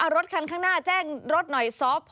รถคันข้างหน้าแจ้งรถหน่อยซอฟ